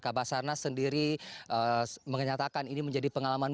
kak basarnas sendiri menyatakan ini menjadi pengalaman